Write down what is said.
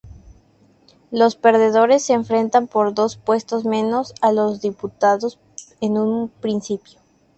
Los perdedores se enfrentan por dos puestos menos a los disputados en un principio.